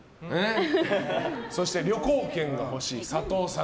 そして旅行券が欲しい佐藤さん